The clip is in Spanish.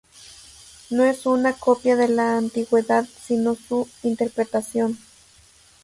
No es una copia de la antigüedad, sino su interpretación.